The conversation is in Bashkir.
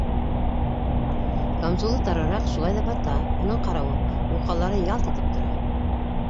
Камзулы тарыраҡ, шулай ҙа бата: уның ҡарауы уҡалары ялт итеп тора.